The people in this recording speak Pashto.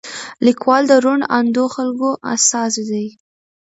لیکوال د روڼ اندو خلکو استازی دی.